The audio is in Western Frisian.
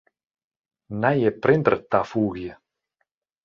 Nije printer tafoegje.